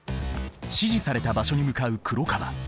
指示された場所に向かう黒川。